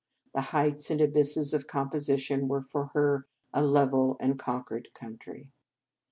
The heights and abysses of composition were for her a level and conquered country.